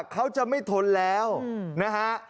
เขาจะไม่ทนแล้วนะฮะ